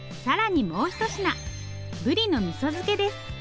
更にもうひと品ブリのみそ漬けです。